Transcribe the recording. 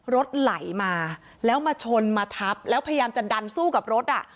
รถไหลมาแล้วมาชนมาทับแล้วพยายามจะดันสู้กับรถอ่ะ